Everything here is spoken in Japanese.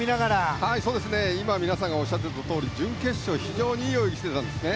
今、皆さんがおっしゃっているとおり準決勝、非常にいい泳ぎをしていたんですね。